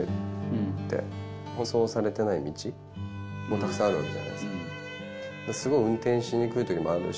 たくさんあるわけじゃないですか。